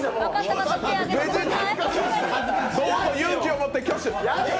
勇気を持って挙手。